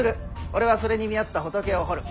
俺はそれに見合った仏を彫る。